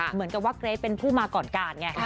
เหมือนกับว่าเกรทเป็นผู้มาก่อนการไง